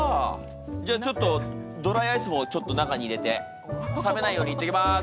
じゃちょっとドライアイスもちょっと中に入れて冷めないように行ってきます！